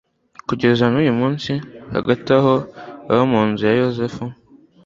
kugeza n'uyu munsi. hagati aho, abo mu nzu ya yozefu